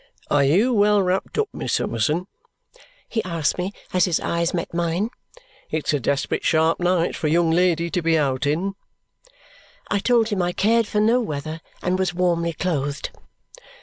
"Are you well wrapped up, Miss Summerson?" he asked me as his eyes met mine. "It's a desperate sharp night for a young lady to be out in." I told him I cared for no weather and was warmly clothed.